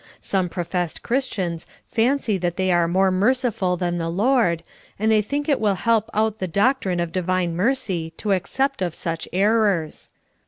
Some professed Christians fancy that they are more merciful than the Lord, and they think it will help out the doctrine of divine mercy to accept of such errors.